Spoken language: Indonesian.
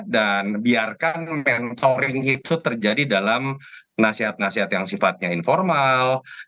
dan biarkan mentoring itu terjadi dalam nasihat nasihat yang sifatnya informal